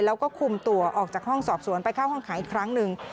แล้วก็คุมตัวออกจากห้องสอบสวนไปเข้าห้องขังอีกครั้งหนึ่ง